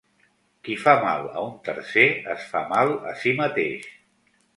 Qui fa mal a un tercer, es fa mal a si mateix.